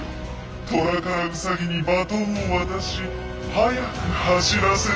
トラからウサギにバトンを渡し速く走らせるのだ。